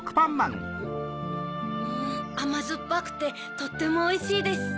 うんあまずっぱくてとってもおいしいです。